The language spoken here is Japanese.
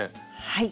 はい。